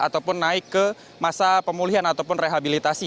ataupun naik ke masa pemulihan ataupun rehabilitasi